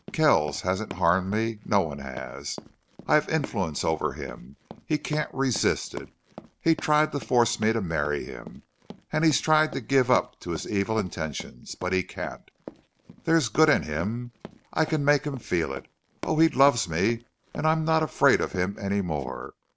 Kells hasn't harmed me no one has. I've influence over him. He can't resist it. He's tried to force me to marry him. And he's tried to give up to his evil intentions. But he can't. There's good in him. I can make him feel it.... Oh, he loves me, and I'm not afraid of him any more....